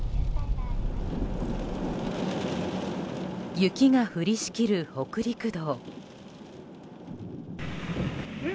雪が降りしきる北陸道。